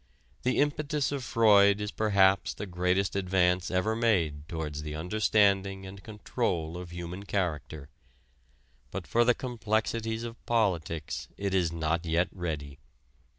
The impetus of Freud is perhaps the greatest advance ever made towards the understanding and control of human character. But for the complexities of politics it is not yet ready.